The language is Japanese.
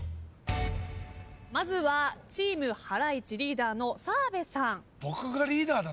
まずはチームハライチリーダーの澤部さん。